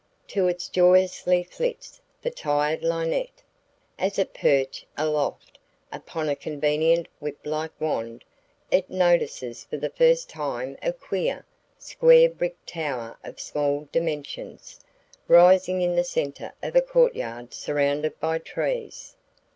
To it joyously flits the tired linnet. As it perches aloft upon a convenient whip like wand, it notices for the first time a queer, square brick tower of small dimensions, rising in the center of a court yard surrounded by trees.